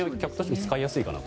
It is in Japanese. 使いやすいかなと。